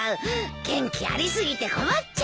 元気あり過ぎて困っちゃう。